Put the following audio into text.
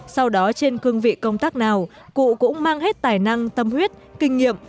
sau đó trên cương vị công tác nào cụ cũng mang hết tài năng tâm huyết kinh nghiệm